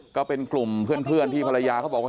ก็เป็นกลุ่มเพื่อนที่ภรรยาเขาบอกว่า